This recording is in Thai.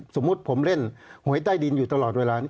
สมมุติผมเล่นหวยใต้ดินอยู่ตลอดเวลา